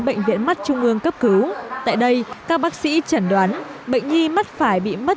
bệnh viện mắt trung ương cấp cứu tại đây các bác sĩ chẩn đoán bệnh nhi mắt phải bị mất